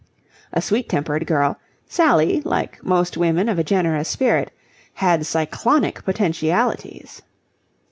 A sweet tempered girl, Sally, like most women of a generous spirit, had cyclonic potentialities.